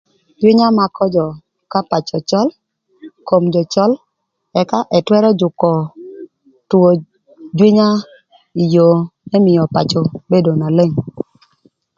Jwïnya makö jö ka pacö cöl, ka kom jö cöl ëka ëtwërö jükö two jwïnya ï yoo më mïö pacö bedo na leng.